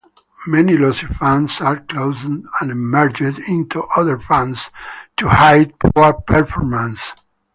Many losing funds are closed and merged into other funds to hide poor performance.